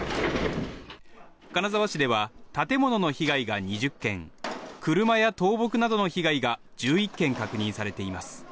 金沢市では建物の被害が２０件車や倒木などの被害が１１件確認されています。